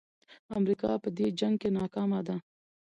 امریکا په دې جنګ کې ناکامه ده.